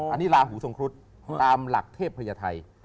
อันนี้ลาหูทรงครุฑตามหลักเทพยาไทย